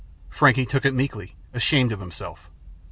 Frankie took it meekly; ashamed of himself.